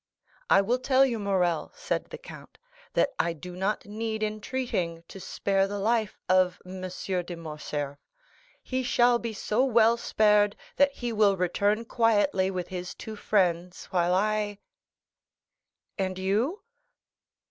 "I will tell you, Morrel," said the count, "that I do not need entreating to spare the life of M. de Morcerf; he shall be so well spared, that he will return quietly with his two friends, while I——" "And you?"